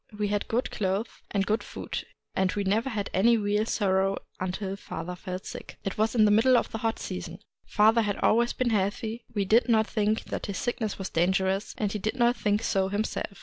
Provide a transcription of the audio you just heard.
We had good clothes and good food; and we never had any real sorrow until father fell sick. " It was the middle of the hot season. Fa ther had always been healthy: we did not think that his sickness was dangerous, and he did not think so himself.